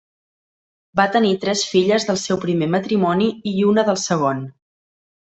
Va tenir tres filles del seu primer matrimoni i una del segon.